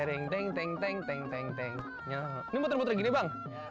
ini muter muter gini bang